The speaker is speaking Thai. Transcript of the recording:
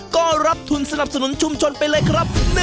ก็รับทุนสนับสนุนชุมชนไปเลยครับ